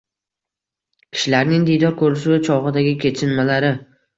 kishilarning diydor ko‘rishuvi chog‘idagi kechinmalari